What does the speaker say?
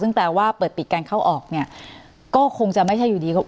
ซึ่งแปลว่าเปิดปิดการเข้าออกเนี่ยก็คงจะไม่ใช่อยู่ดี